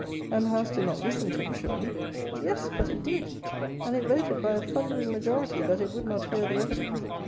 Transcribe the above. And the House did not listen to him, surely? Yes, but it did! And it voted by a thundering majority, that it would not hear the evidence.